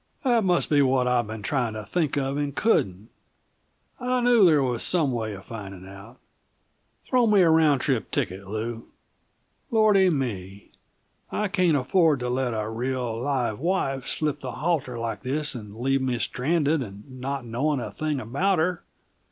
"That must be what I've been trying to think of and couldn't. I knew there was some way of finding out. Throw me a round trip ticket, Lew. Lordy me! I can't afford to let a real, live wife slip the halter like this and leave me stranded and not knowing a thing about her.